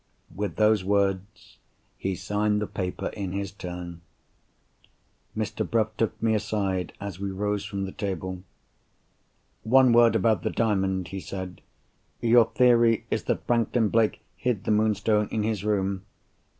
With those words he signed the paper in his turn. Mr. Bruff took me aside, as we rose from the table. "One word about the Diamond," he said. "Your theory is that Franklin Blake hid the Moonstone in his room.